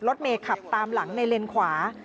รถเมย์ขับตามหลังในเลนขวา